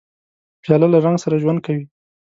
پیاله له رنګ سره ژوند کوي.